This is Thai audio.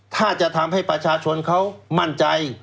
ถ้าจะทำให้ประชาชนเขามั่นใจ